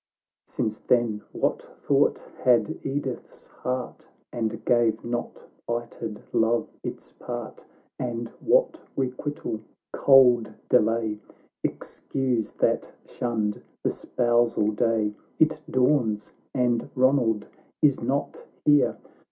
XI " Since then, what thought had Edith's heart, And gave not plighted love its part !— And what requital ? cold delay — Excuse that shunned the spousal day. — It dawns, and Ronald is not here